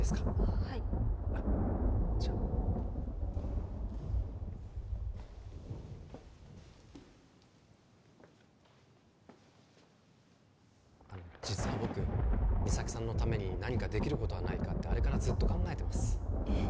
あはいじゃあの実は僕三咲さんのために何かできることはないかってあれからずっと考えてますえ